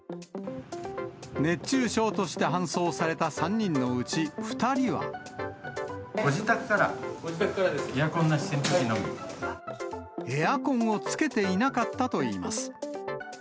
熱中症として搬送された３人ご自宅からエアコンなし、エアコンをつけていなかったといいます。